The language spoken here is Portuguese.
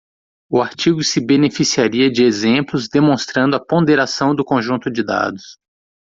O artigo se beneficiaria de exemplos demonstrando a ponderação do conjunto de dados.